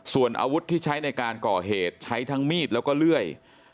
ส่วนอาวุธที่ใช้ในการก่อเหตุใช้ทั้งมีดแล้วก็เลื่อย